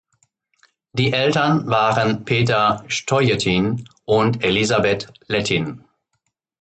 Die Eltern waren Peter Stojentin und Elisabeth Lettin.